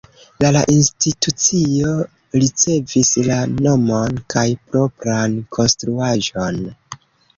La la institucio ricevis la nomon kaj propran konstruaĵon.